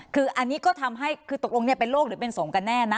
คืออันนี้ก็ทำให้คือตกลงเป็นโรคหรือเป็นสงฆ์กันแน่นะ